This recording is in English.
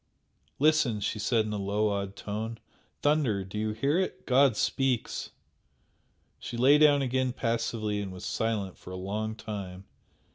"Listen!" she said in a low, awed tone "Thunder! Do you hear it? God speaks!" She lay down again passively and was silent for a long time.